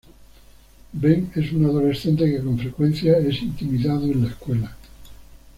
Ben es un adolescente que con frecuencia es intimidado en la escuela.